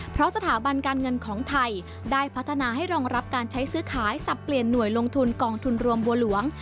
เพราะสถาบันการเงินของไทยได้พัฒนาให้รองรับการใช้ซื้อขายสับเปลี่ยนหน่วยลงทุนกองทุนรวมบัวหลวง